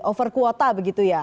over kuota begitu ya